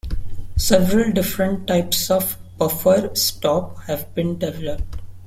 Several different types of buffer stop have been developed.